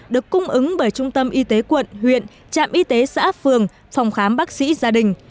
được cung ứng bởi trung tâm y tế quận huyện trạm y tế xã phường phòng khám bác sĩ gia đình